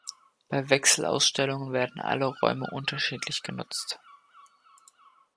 Bei Wechselausstellungen werden alle Räume unterschiedlich genutzt.